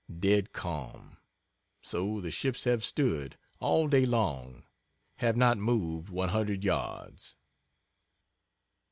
Dead calm. So the ships have stood, all day long have not moved 100 yards.